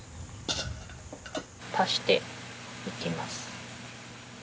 足していきます。